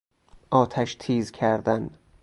آتش تیز کردن